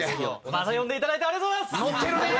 また呼んでいただいてありがとうございます！